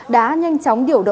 đã nhanh chóng điều tra